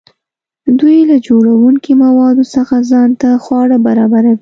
دوی له جوړونکي موادو څخه ځان ته خواړه برابروي.